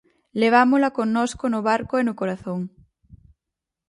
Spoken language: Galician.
Levámola connosco no barco e no corazón.